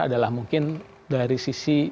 adalah mungkin dari sisi